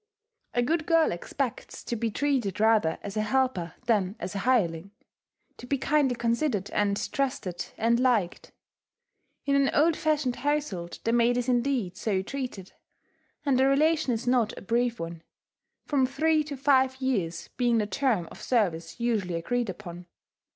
A good girl expects to be treated rather as a helper than as a hireling, to be kindly considered, and trusted, and liked. In an old fashioned household the maid is indeed so treated; and the relation is not a brief one from three to five years being the term of service usually agreed upon.